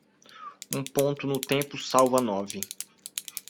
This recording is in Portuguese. Um ponto no tempo salva nove.